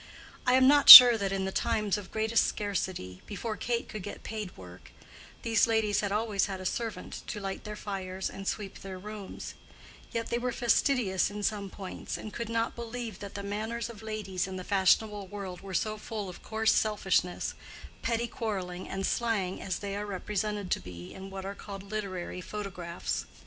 I am not sure that in the times of greatest scarcity, before Kate could get paid work, these ladies had always had a servant to light their fires and sweep their rooms; yet they were fastidious in some points, and could not believe that the manners of ladies in the fashionable world were so full of coarse selfishness, petty quarreling, and slang as they are represented to be in what are called literary photographs.